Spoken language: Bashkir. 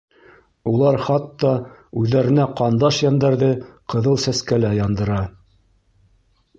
Улар хатта үҙҙәренә ҡандаш йәндәрҙе Ҡыҙыл Сәскәлә... яндыра.